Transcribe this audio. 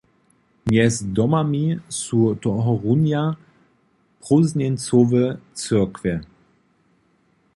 Mjez domami su tohorunja prózdnjeńcowe cyrkwje.